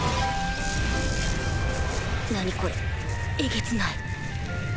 何これえげつない。